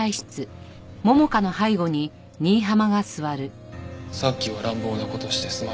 さっきは乱暴な事してすまなかった。